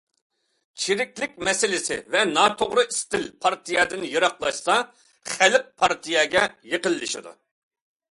چىرىكلىك مەسىلىسى ۋە ناتوغرا ئىستىل پارتىيەدىن يىراقلاشسا، خەلق پارتىيەگە يېقىنلىشىدۇ.